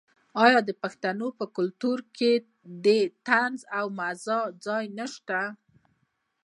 آیا د پښتنو په کلتور کې د طنز او مزاح ځای نشته؟